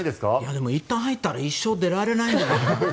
でも、いったん入ったら一生出られないんじゃないかなっていう。